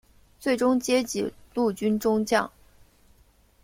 最终阶级陆军中将。